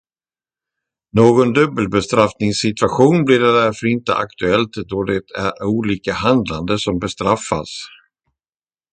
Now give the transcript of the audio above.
Någon dubbelbestraffningssituation blir därför inte aktuell då det är olika handlande som bestraffas.